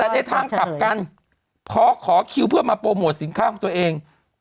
แต่ในทางกลับกันพอขอคิวเพื่อมาโปรโมทสินค้าของตัวเอง